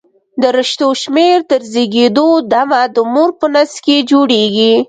د رشتو شمېر تر زېږېدو د مه د مور په نس کې جوړېږي.